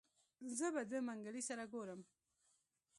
زه به د منګلي سره ګورم.